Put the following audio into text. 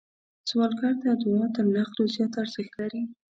سوالګر ته دعا تر نغدو زیات ارزښت لري